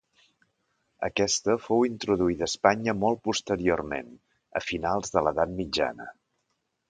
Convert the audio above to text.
Aquesta fou introduïda a Espanya molt posteriorment, a finals de l'edat mitjana.